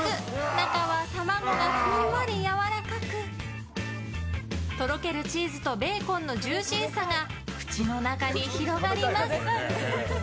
中は卵が、ふんわりやわらかくとろけるチーズとベーコンのジューシーさが口の中に広がります。